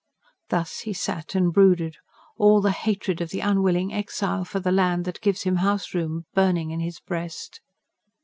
Thus he sat and brooded, all the hatred of the unwilling exile for the land that gives him house room burning in his breast.